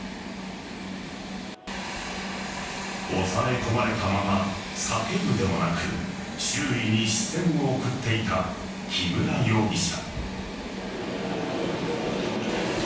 押さえ込まれたまま叫ぶでもなく周囲に視線を送っていた木村容疑者。